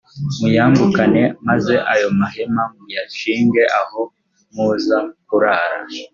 muyambukane maze ayo mahema muyashinge aho muza kurara.’»